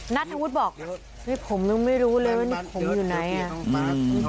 นัทธวุฒิบอกผมยังไม่รู้เลยว่านี่ผมอยู่ไหนอ่ะ